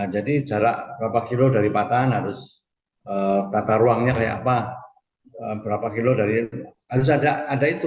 jadi jarak berapa kilo dari patahan harus data ruangnya kayak apa berapa kilo dari harus ada itu